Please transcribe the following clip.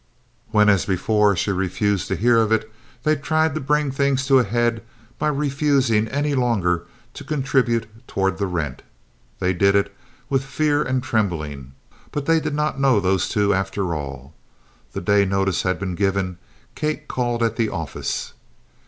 When, as before, she refused to hear of it, they tried to bring things to a head by refusing any longer to contribute toward the rent. They did it with fear and trembling, but they did not know those two, after all. The day notice had been given Kate called at the office.